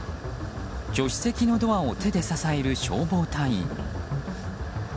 助手席のドアを手で支える消防隊員。